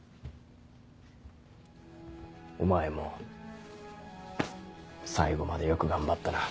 お前も最後までよく頑張ったな。